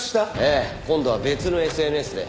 ええ今度は別のＳＮＳで。